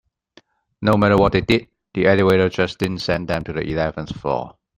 No matter what they did, the elevator just didn't send them to the eleventh floor.